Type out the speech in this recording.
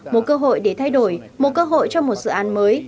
một cơ hội để thay đổi một cơ hội cho một dự án mới